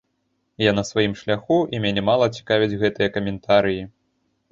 Я на сваім шляху, і мяне мала цікавяць гэтыя каментарыі.